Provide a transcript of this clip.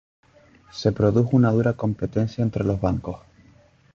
Se produjo una dura competencia entre los bancos.